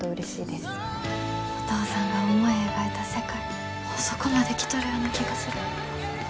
お父さんが思い描いた世界もうそこまで来とるような気がする。